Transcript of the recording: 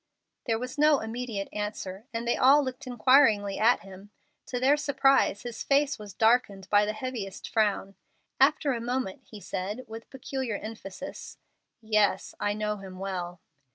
There was no immediate answer, and they all looked inquiringly at him. To their surprise his face was darkened by the heaviest frown. After a moment he said, with peculiar emphasis, "Yes; I know him well."